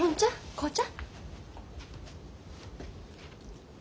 紅茶？